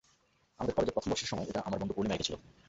আমাদের কলেজের প্রথম বর্ষের সময় এটা আমার বন্ধু পূর্ণিমা একেছিল।